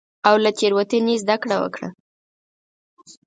او له تېروتنې زدکړه وکړه.